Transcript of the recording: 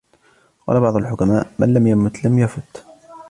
وَقَالَ بَعْضُ الْحُكَمَاءِ مَنْ لَمْ يَمُتْ لَمْ يَفُتْ